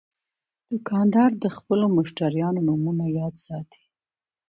دوکاندار د خپلو مشتریانو نومونه یاد ساتي.